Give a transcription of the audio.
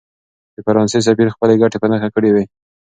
د فرانسې سفیر خپلې ګټې په نښه کړې وې.